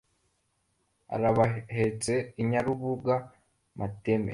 Arabahetse Inyarubuga mateme